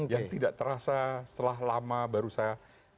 yang tidak terasa setelah lama baru saya